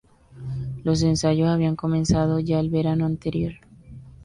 Los ensayos habían comenzado ya el verano anterior.